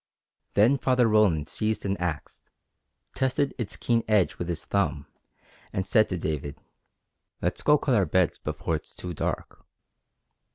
Then Father Roland seized an axe, tested its keen edge with his thumb, and said to David: "Let's go cut our beds before it's too dark."